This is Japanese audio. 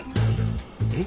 えっ？